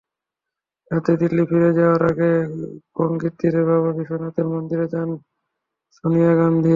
রাতে দিল্লি ফিরে যাওয়ার আগে গঙ্গাতীরে বাবা বিশ্বনাথের মন্দিরে যান সোনিয়া গান্ধী।